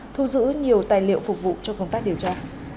thu giữ nhiều tài liệu phục vụ cho công tác điều tra